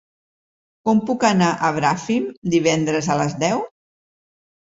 Com puc anar a Bràfim divendres a les deu?